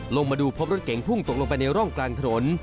ลงมาดูพบรถเก๋งพุ่งตกลงไปในร่องกลางถนน